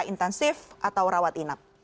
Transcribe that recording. intensif atau rawat inap